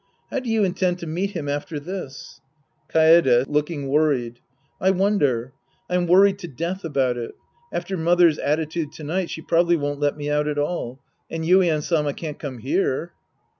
How do you intend to meet him after this ? Kaede {looking worried). I wonder. I'm worried to death about it. After mother's attitude to night, she probably won't let me out at all. And Yuien Sama can't come here.